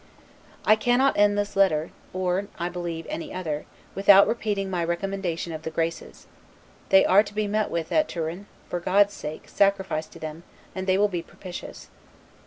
I cannot end this letter or (I believe) any other, without repeating my recommendation of THE GRACES. They are to be met with at Turin: for God's sake, sacrifice to them, and they will be propitious.